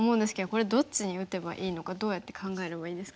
これどっちに打てばいいのかどうやって考えればいいですか？